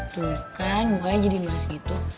tuh kan mukanya jadi luas gitu